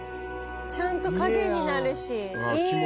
ちゃんと影になるしいい。